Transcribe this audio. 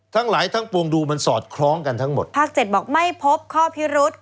ทั้งหลายทั้งปวงดูมันสอดคล้องกันทั้งหมดภาค๗บอกไม่พบข้อพิรุษ